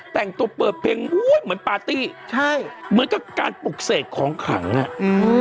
แต่งตัวเปิดเพลงอุ้ยเหมือนปาร์ตี้ใช่เหมือนกับการปลุกเสกของขลังอ่ะอืม